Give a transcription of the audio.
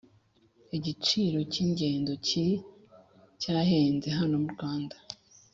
igiciro cy ingendo kira cyahenze hano murwanda